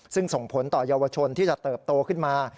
ซึ่งส่งผลต่อเยาวชนที่จะเติบโตขึ้นมา